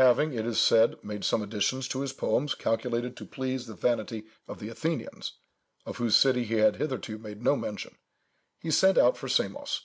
Having, it is said, made some additions to his poems calculated to please the vanity of the Athenians, of whose city he had hitherto made no mention, he sent out for Samos.